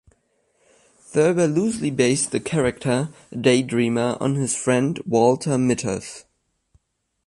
Thurber loosely based the character, a daydreamer, on his friend Walter Mithoff.